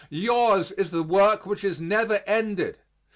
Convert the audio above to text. Yours is the work which is never ended.